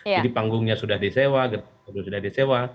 jadi panggungnya sudah disewa gedung sudah disewa